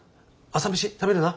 朝飯食べるな？